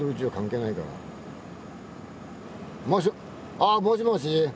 あもしもし。